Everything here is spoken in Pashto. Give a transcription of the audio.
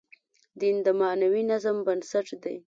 دین د معنوي نظم بنسټ دی.